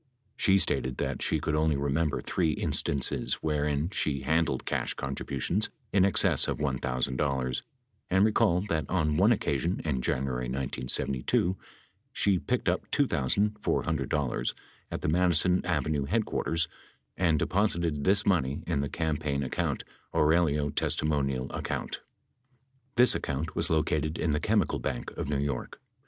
She stated that she could only remember three instances wherein she handled cash contributions in excess of $1,000 and recalled that on one occasion in January 1972 she picked up $2,400 at the Madison Avenue headquarters and deposited this money in the campaign account "Aurelio Testimonial Account." This account was located in the Chemical Bank of New York.